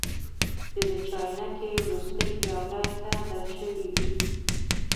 چې د چاینکې وروستۍ پیاله ښه دم شوې وي.